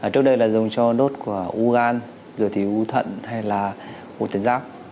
trước đây là dùng cho đốt của u gan dưới thì u thận hay là u tấn giác